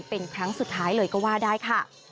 เป็นครั้งสุดท้ายเลยก็ว่าได้ค่ะ